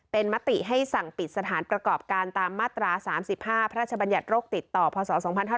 เป็นมติให้สั่งปิดสถานประกอบการตามมาตรา๓๕พระราชบัญญัติโรคติดต่อพศ๒๕๕๙